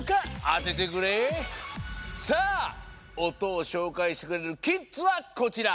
さあおとをしょうかいしてくれるキッズはこちら。